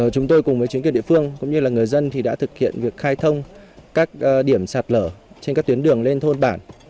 chúng tôi cùng với chính quyền địa phương cũng như là người dân thì đã thực hiện việc khai thông các điểm sạt lở trên các tuyến đường lên thôn bản